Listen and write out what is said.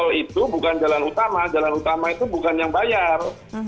tol itu bukan jalan utama jalan utama itu bukan yang bayar